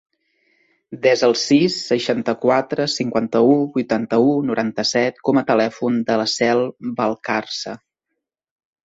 Desa el sis, seixanta-quatre, cinquanta-u, vuitanta-u, noranta-set com a telèfon de la Cel Valcarce.